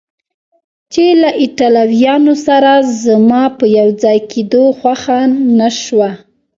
چې له ایټالویانو سره زما په یو ځای کېدو خوښه نه شوه.